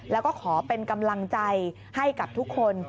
แล้วก็ขอเป็นกำลังใจให้กับทุกคน